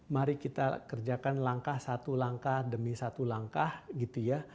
mari kita kerjakan langkah satu langkah demi satu langkah gitu ya